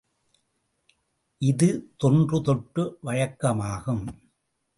இது தொன்று தொட்ட வழக்கமாகும்.